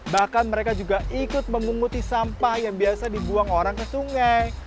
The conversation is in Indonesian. bahkan mereka juga ikut memunguti sampah yang biasa dibuang orang ke sungai